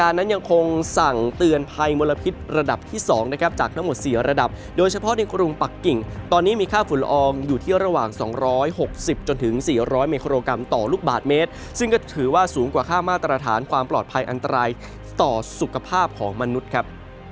ร้อยหกสิบจนถึงสี่ร้อยเมโครโรกรัมต่อลูกบาทเมตรซึ่งก็ถือว่าสูงกว่าค่ามาตรฐานความปลอดภัยอันตรายต่อสุขภาพของมนุษย์ครับ